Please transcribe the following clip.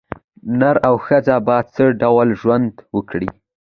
نر او ښځه په څه ډول ژوند وکړي.